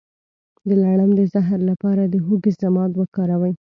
د لړم د زهر لپاره د هوږې ضماد وکاروئ